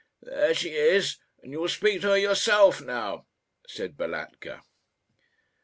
"There she is, and you will speak to her yourself now," said Balatka.